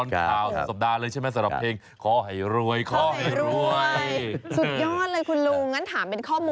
ปัจจนธรรมนี้ครับ